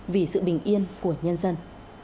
vì sự bình yên của nhân dân